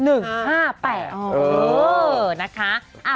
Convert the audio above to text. เออ